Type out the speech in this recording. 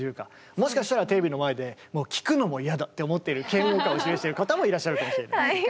もしかしたらテレビの前でもう聴くのも嫌だって思っている嫌悪感を示している方もいらっしゃるかもしれない。